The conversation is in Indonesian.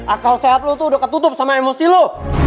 akal sehat lo tuh udah ketutup sama emosi lo